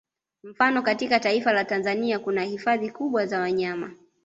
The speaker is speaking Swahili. Mfano katika taifa la Tanzania kuna hifadhi kubwa za wanyama